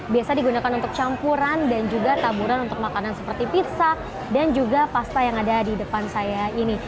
biasa digunakan untuk campuran dan juga taburan untuk makanan seperti pizza dan juga pasta yang ada di depan saya ini